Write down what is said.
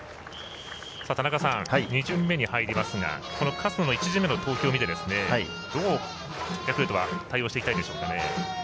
田中さん勝野の１巡目の投球を見てどうヤクルトは対応していきたいでしょうか。